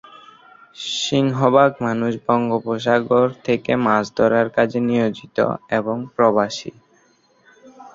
সিংহভাগ মানুষ বঙ্গোপসাগর থেকে মাছ ধরার কাজে নিয়োজিত এবং প্রবাসী।